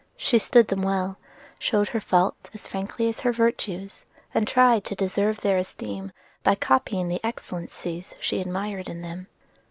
She stood them well; showed her faults as frankly as her virtues, and tried to deserve their esteem by copying the excellencies she admired in them.